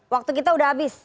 waktu kita sudah habis